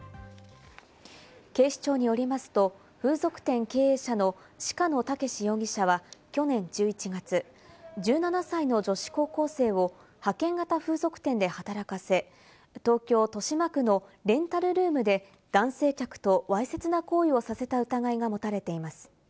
警視庁によりますと風俗店経営者の鹿野健容疑者は去年１１月、１７歳の女子高校生を派遣型風俗店で働かせ、東京・豊島区のレンタルルームで男性客とわいせつな行為をさせた疑いが持たれています。